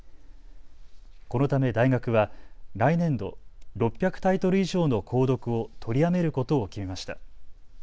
このため大学は来年度、６００タイトル以上の購読を取りやめることを決めました。